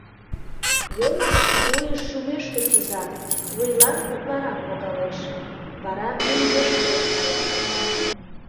Йол гыч вуйыш шумешке кӱза, вуйлан утларак логалеш; вара мӧҥгеш кырен кая...